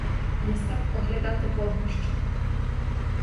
Я став оглядати вогнище.